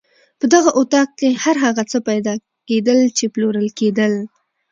په دغه اطاق کې هر هغه څه پیدا کېدل چې پلورل کېدل.